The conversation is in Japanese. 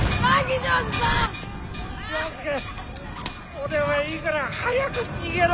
俺はいいから早く逃げろ！